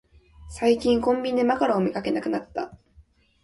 最近コンビニでマカロンを見かけなくなった